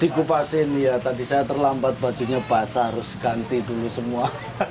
dikupasin ya tadi saya terlambat bajunya basah harus ganti dulu semua